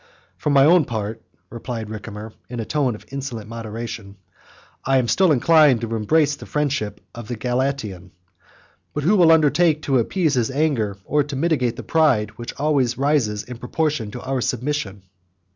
"For my own part," replied Ricimer, in a tone of insolent moderation, "I am still inclined to embrace the friendship of the Galatian; 103 but who will undertake to appease his anger, or to mitigate the pride, which always rises in proportion to our submission?"